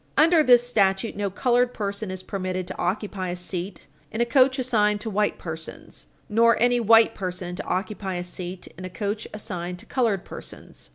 Under this statute, no colored person is permitted to occupy a seat in a coach assigned to white persons, nor any white person to occupy a seat in a coach assigned to colored persons.